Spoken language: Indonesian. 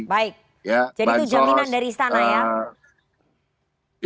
baik jadi itu jaminan dari istana ya